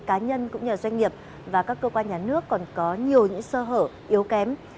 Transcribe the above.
cá nhân cũng như doanh nghiệp và các cơ quan nhà nước còn có nhiều những sơ hở yếu kém